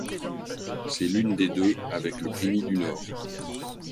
C'est l'une des deux avec le primi du Nord.